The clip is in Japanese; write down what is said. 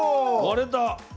割れた。